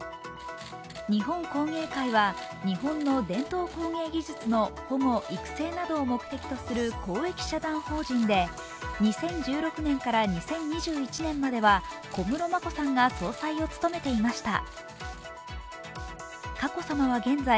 日本工芸会は日本の伝統工芸技術の保護・育成などを目的とする公益社団法人で、２０１６年から２０２１年までは小室眞子さんが総裁を務めていました。